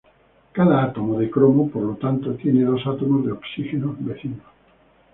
Cada átomo de cromo, por lo tanto, tienen dos átomos de oxígeno vecinos.